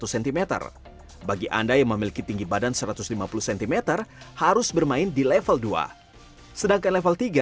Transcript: cm bagi anda yang memiliki tinggi badan satu ratus lima puluh cm harus bermain di level dua sedangkan level tiga